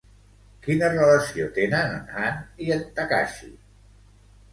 Quina relació tenen en Han i en Takashi?